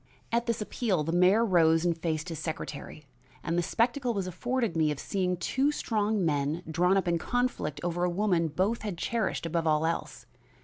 At this appeal the mayor rose and faced his secretary and the spectacle was afforded me of seeing two strong men drawn up in conflict over a woman both had cherished above all else.